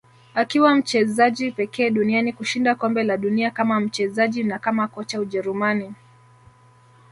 Akiwa mchezaji pekee duniani kushinda kombe la dunia kama mchezaji na kama kocha Ujerumani